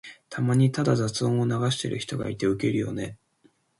たまにただ雑音を流してる人がいてウケるよね。